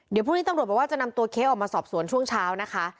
เดี๋ยวพรุ่งนี้ตำรวจบอกว่าจะนำตัวเค้กออกมาสอบสวนช่วงเช้านะคะ